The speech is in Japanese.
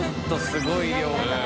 すごい量。